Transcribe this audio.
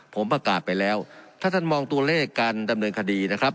ผมประกาศไปแล้วถ้าท่านมองตัวเลขการดำเนินคดีนะครับ